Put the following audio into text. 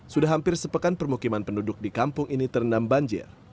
sudah hampir sepekan permukiman penduduk di kampung ini terendam banjir